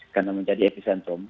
karena menjadi epicentrum